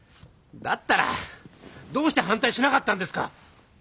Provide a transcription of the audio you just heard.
だったらどうして反対しなかったんですか！